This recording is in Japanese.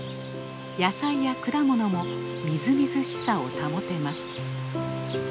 野菜や果物もみずみずしさを保てます。